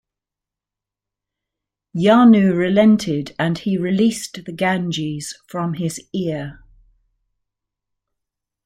Jahnu relented and he released the Ganges from his ear.